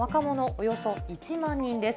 およそ１万人です。